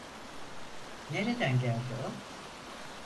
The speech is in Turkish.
Nereden geldi o?